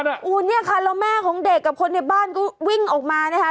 โอ้โหเนี่ยค่ะแล้วแม่ของเด็กกับคนในบ้านก็วิ่งออกมานะคะ